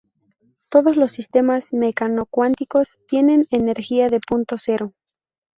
Todos los sistemas mecano-cuánticos tienen "energía de punto cero".